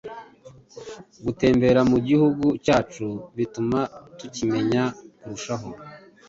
Gutembera mu Gihugu cyacu bituma tukimenya kurushaho,